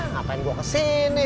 ngapain gue kesini